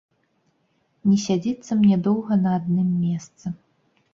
Не сядзіцца мне доўга на адным месцы.